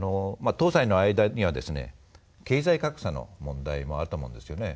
東西の間には経済格差の問題もあると思うんですよね。